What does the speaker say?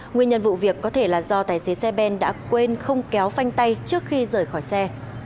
nguyên nhân vụ việc có thể là do tài xế xe ben đã quên không kéo phanh tay trước khi rời khỏi xe